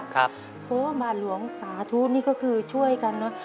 เพราะว่าหมาหลวงสาธุนี่ก็คือช่วยกันเนอะ